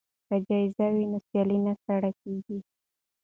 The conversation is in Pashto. که جایزه وي نو سیالي نه سړه کیږي.